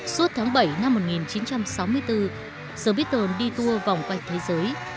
suốt tháng bảy năm một nghìn chín trăm sáu mươi bốn the beatles đi tour vòng quanh thế giới